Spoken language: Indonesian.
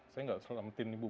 saya enggak selamatin ibu